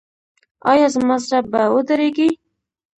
ایا زما زړه به ودریږي؟